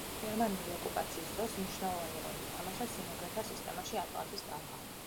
გერმანული ოკუპაციის დროს მნიშვნელოვანი როლი ითამაშა სიმაგრეთა სისტემაში „ატლანტის ტალღა“.